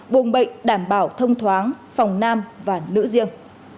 buồng bệnh đảm bảo thông thoáng phòng nam và nữ riêng